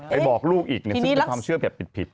ไปบอกรูปอีกในโลกหนึ่งนั้นคือเรื่องราวผิด